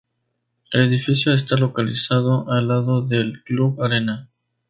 El edificio está localizado al lado del Cluj Arena.